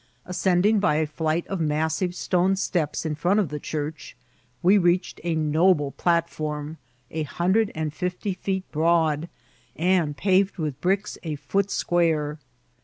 Ascending by a flight of massive stone steps in firont of the church, we reached a noble plat form a hundred and fifty feet broad, and paved with bricks a foot square.